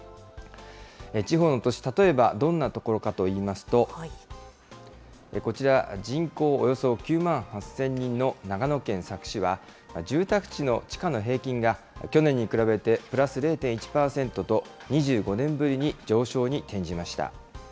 地方の都市、例えばどんな所かといいますと、こちら、人口およそ９万８０００人の長野県佐久市は、住宅地の地価の平均が去年に比べてプラス０．１％と、２５年ぶりに上昇に転じました。